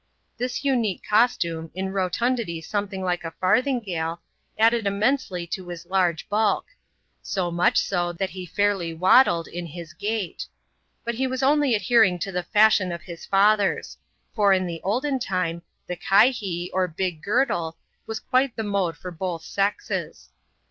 This unique costume, in rotun dity something like a farthingale, added immensely to his large bulk ; so much so, that he fairly waddled in his gait. But he was only adhering to the fashion of his fathers ; for, in the olden time, the " Kihee," or big girdle, was quite the mode iot both sexes.